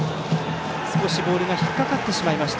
少しボールが引っ掛かってしまいました。